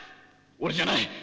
俺じゃない！